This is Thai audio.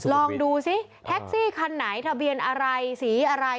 ลองดูสิแท็กซี่คันไหนทะเบียนอะไรสีอะไร